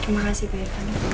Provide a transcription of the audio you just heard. terima kasih pak ya